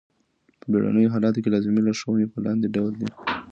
په بېړنیو حالاتو کي لازمي لارښووني په لاندي ډول دي.